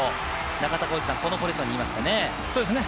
中田さん、このポジションにいましたね。